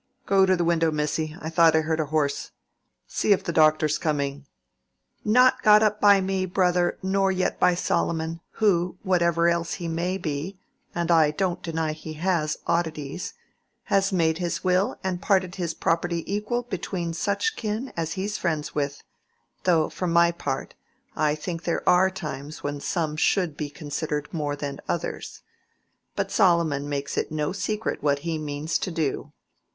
Go to the window, missy; I thought I heard a horse. See if the doctor's coming." "Not got up by me, brother, nor yet by Solomon, who, whatever else he may be—and I don't deny he has oddities—has made his will and parted his property equal between such kin as he's friends with; though, for my part, I think there are times when some should be considered more than others. But Solomon makes it no secret what he means to do."